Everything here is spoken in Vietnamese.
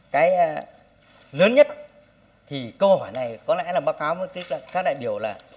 cái lớn nhất thì câu hỏi này có lẽ là báo cáo với các đại biểu là